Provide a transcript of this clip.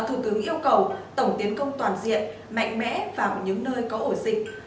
thủ tướng yêu cầu tổng tiến công toàn diện mạnh mẽ vào những nơi có ổ dịch